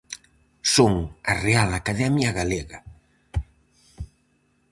Son a Real Academia Galega.